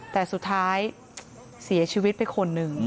แต่สุดท้ายเสียชีวิตไปคนหนึ่ง